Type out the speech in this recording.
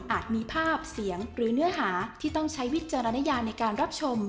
มีภาพเสียงหรือเนื้อหาที่ต้องใช้วิจารณญาในการรับชม